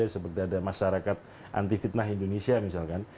seperti ada masyarakat anti fitnah indonesia misalkan